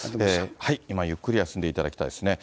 今、ゆっくり休んでいただきたいですね。